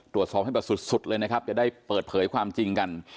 ตรวจสอบให้แบบสุดเลยนะครับจะได้เปิดเผยความจริงกัน